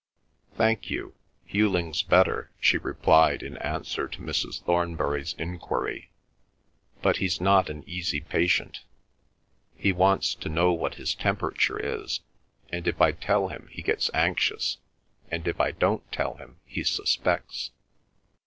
"Thank you, Hughling's better," she replied, in answer to Mrs. Thornbury's enquiry, "but he's not an easy patient. He wants to know what his temperature is, and if I tell him he gets anxious, and if I don't tell him he suspects.